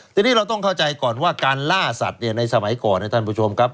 ทีนี้เราต้องเข้าใจก่อนว่าการล่าสัตว์เนี่ยในสมัยก่อนนะท่านผู้ชมครับ